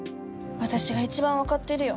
わたしが一番分かってるよ。